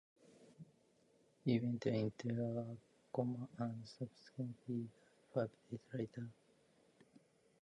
He went into a coma and subsequently died five days later.